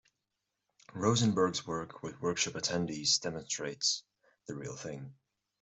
Rosenberg's work with workshop attendees demonstrates the real thing.